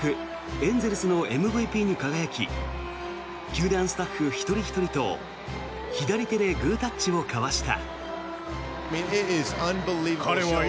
エンゼルスのＭＶＰに輝き球団スタッフ一人ひとりと左手でグータッチを交わした。